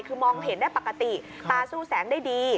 คือมองเห็นได้ปกติตาสู้แสงได้ดี